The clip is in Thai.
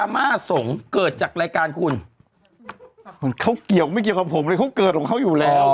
ไม่เกี่ยวกับผมเลยเขาเกิดของเขาอยู่แล้ว